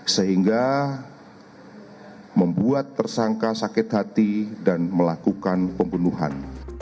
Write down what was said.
sehingga membuat tersangka sakit hati dan melakukan pembunuhan